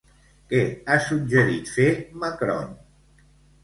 Què ha suggerit fer Macron?